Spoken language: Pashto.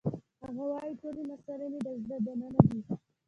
هغه وایی ټولې مسلې مې د زړه دننه دي